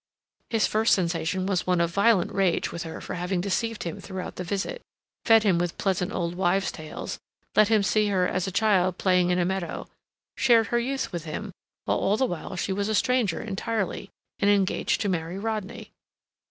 His first sensation was one of violent rage with her for having deceived him throughout the visit, fed him with pleasant old wives' tales, let him see her as a child playing in a meadow, shared her youth with him, while all the time she was a stranger entirely, and engaged to marry Rodney.